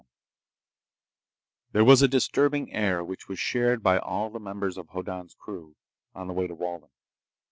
XI There was a disturbing air which was shared by all the members of Hoddan's crew, on the way to Walden.